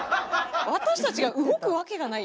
私たちが動くわけがない。